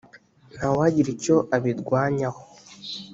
nta wagira icyo abirwanyaho